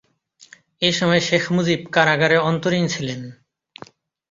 এসময় শেখ মুজিব কারাগারে অন্তরীণ ছিলেন।